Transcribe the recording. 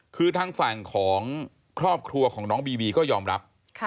คือทางฝั่งของครอบครัวของน้องบีบีก็ยอมรับ